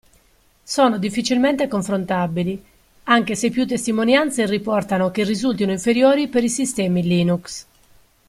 Sono difficilmente confrontabili, anche se più testimonianze riportano che risultino inferiori per i sistemi Linux.